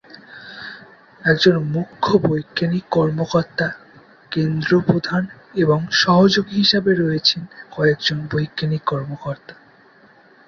একজন মুখ্য বৈজ্ঞানিক কর্মকর্তা কেন্দ্র প্রধান এবং সহযোগী হিসেবে রয়েছেন কয়েক জন বৈজ্ঞানিক কর্মকর্তা।